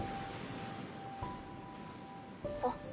そう。